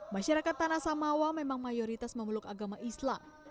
masyarakat tanah samawa memang mayoritas memeluk agama islam